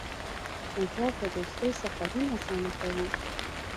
موټر د دوستۍ سفرونه اسانه کوي.